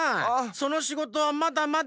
そのしごとはまだまだ。